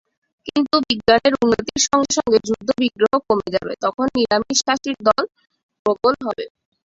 কিন্তু বিজ্ঞানের উন্নতির সঙ্গে সঙ্গে যুদ্ধবিগ্রহ কমে যাবে, তখন নিরামিষাশীর দল প্রবল হবে।